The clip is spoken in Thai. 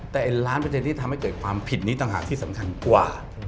แต่ล้านเปอร์เซ็นที่ทำให้เกิดความผิดนี้ต่างหากที่สำคัญกว่า